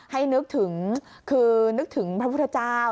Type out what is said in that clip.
นึกถึงคือนึกถึงพระพุทธเจ้า